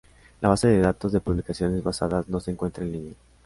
La base de datos de publicaciones pasadas no se encuentra en línea.